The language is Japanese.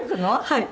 はい。